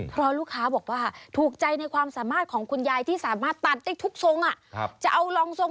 เพราะลูกค้าบอกว่า